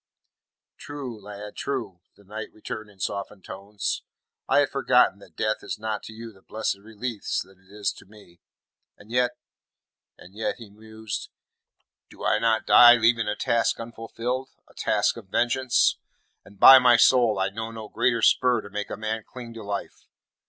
"True, lad, true," the knight returned in softened tones. "I had forgotten that death is not to you the blessed release that it is to me. And yet, and yet," he mused, "do I not die leaving a task unfulfilled a task of vengeance? And by my soul, I know no greater spur to make a man cling to life.